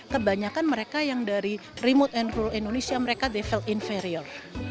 kebanyakan mereka yang dari remote and rule indonesia mereka devel inferior